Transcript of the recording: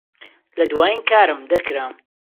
لە دوایین کارم دەرکرام.